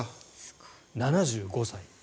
７５歳。